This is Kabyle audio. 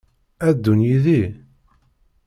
Ad ddun yid-i?